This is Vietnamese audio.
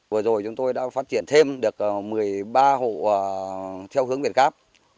vừa rồi chúng tôi đã phát triển thêm được một mươi ba hộ theo hướng việt gáp